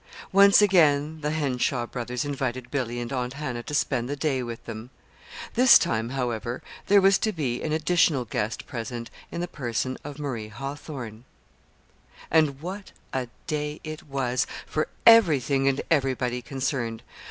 Once again the Henshaw brothers invited Billy and Aunt Hannah to spend the day with them. This time, however, there was to be an additional guest present in the person of Marie Hawthorn. And what a day it was, for everything and everybody concerned!